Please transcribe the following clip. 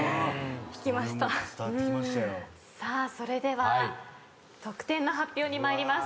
さあそれでは得点の発表に参ります。